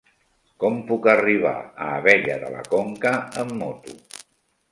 Com puc arribar a Abella de la Conca amb moto?